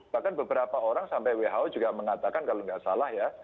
bahkan beberapa orang sampai who juga mengatakan kalau nggak salah ya